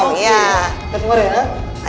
oke satu dua